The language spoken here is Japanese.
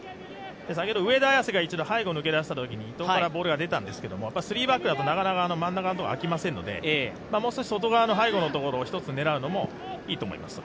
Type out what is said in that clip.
先ほど上田綺世が一度、背後を抜けたときにボールが出たんですけどスリーバックだと真ん中のところがあきませんので、もう少し外側の背後のところをひとつ狙うのもいいと思います。